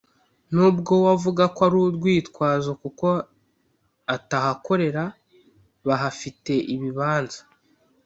n’ubwo we avuga ko ari urwitwazo kuko abatahakorera bahafite ibibanza